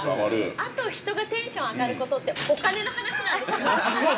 あと、人がテンション上がることってお金の話なんですよ。